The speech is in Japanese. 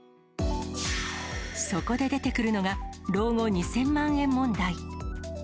そこで出てくるのが、老後２０００万円問題。